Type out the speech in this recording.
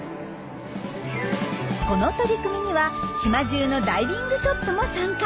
この取り組みには島じゅうのダイビングショップも参加。